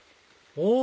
お！